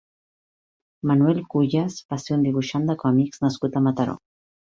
Manuel Cuyas va ser un dibuixant de còmics nascut a Mataró.